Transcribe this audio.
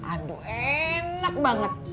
aduh enak banget